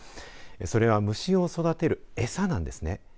それは、虫を育てる餌なんですね。